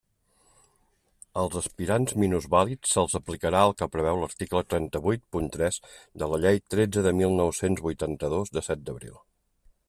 Als aspirants minusvàlids se'ls aplicarà el que preveu l'article trenta-vuit punt tres de la Llei tretze de mil nou-cents vuitanta-dos de set d'abril.